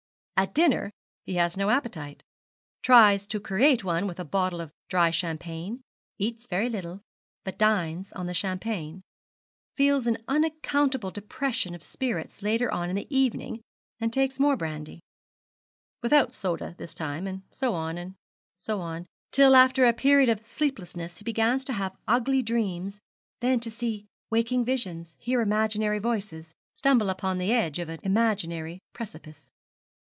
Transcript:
At dinner he has no appetite, tries to create one with a bottle of dry champagne, eats very little, but dines on the champagne, feels an unaccountable depression of spirits later on in the evening, and takes more brandy, without soda this time; and so on, and so on; till, after a period of sleeplessness, he begins to have ugly dreams, then to see waking visions, hear imaginary voices, stumble upon the edge of an imaginary precipice.